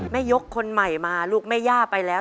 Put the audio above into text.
ยกคนใหม่มาลูกแม่ย่าไปแล้ว